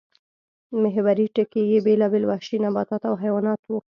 محوري ټکی یې بېلابېل وحشي نباتات او حیوانات وو